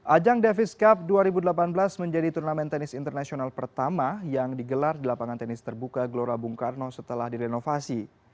ajang davis cup dua ribu delapan belas menjadi turnamen tenis internasional pertama yang digelar di lapangan tenis terbuka glora bung karno setelah direnovasi